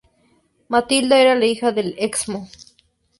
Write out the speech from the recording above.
Matilda era la hija del Excmo.